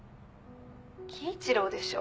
貴一郎でしょ？